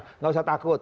tidak usah takut